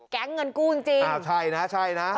แก๊งเงินกู้จริง